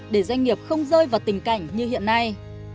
để doanh nghiệp không rơi vào tình cảnh như hiện nay